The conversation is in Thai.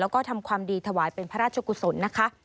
แล้วก็ทำความดีถวายเป็นพระราชกุศลนะคะ